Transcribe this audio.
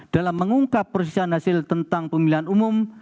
dalam mengungkap persisahan hasil tentang pemilihan umum